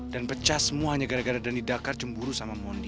dan pecah semuanya gara gara dhani dakar cemburu sama mondi